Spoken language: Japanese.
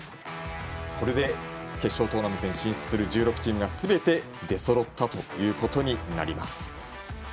これで決勝トーナメントに進出する１６チームがすべて出そろったということになります。